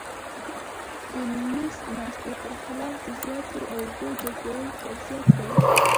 د نس ناستي پر خلاف د زیاتو اوبو جذبول قبضیت دی.